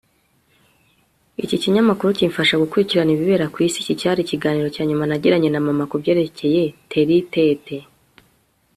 iki kinyamakuru kimfasha gukurikirana ibibera ku isi. iki cyari ikiganiro cya nyuma nagiranye na mama kubyerekeye terry tate